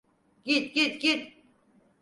Git, git, git!